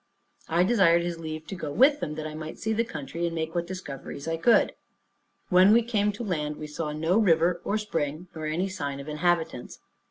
I desired his leave to go with them, that I might see the country, and make what discoveries I could. When we came to land, we saw no river, or spring, nor any sign of inhabitants.